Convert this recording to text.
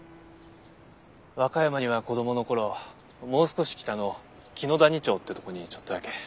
和歌山には子供の頃もう少し北の紀野谷町ってとこにちょっとだけ。